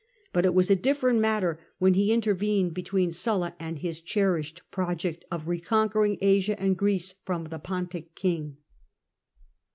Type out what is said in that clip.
But it was a different matter when he intervened between Sulla and his cherished project of reconquering Asia and Greece from the Pontic king.